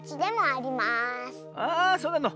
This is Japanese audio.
ああそうなの。